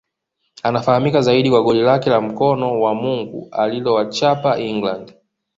Anafahamika zaidi kwa goli lake la mkono wa Mungu alilowachapa England